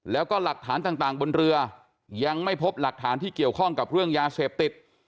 แล้วก็หลักฐานต่างบนเรือยังไม่พบหลักฐานที่เกี่ยวข้องกับเรื่องยาเสพติด